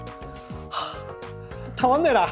はぁたまんねえな。